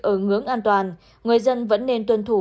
ở ngưỡng an toàn người dân vẫn nên tuân thủ